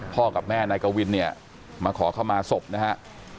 กับแม่นายกวินเนี่ยมาขอเข้ามาศพนะฮะ